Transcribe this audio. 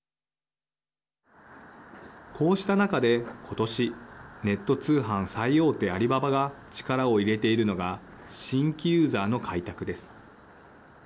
こうした中で今年ネット通販、最大手アリババが力を入れているのが新規ユーザーの開拓です。